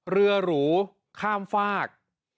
เรือหรูข้ามฝาก